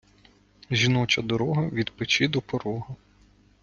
жіноча дорога – від печи до порога